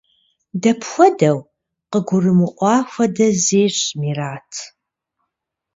– Дапхуэдэу? – къыгурымыӀуа хуэдэ зещӀ Мерэт.